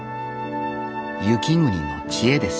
雪国の知恵です